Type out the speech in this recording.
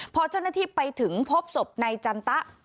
พอเจ้าหน้าที่ไปถึงพบศพนายจันตะ